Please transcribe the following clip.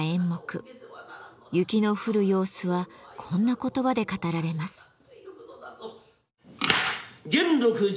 雪の降る様子はこんな言葉で語られます。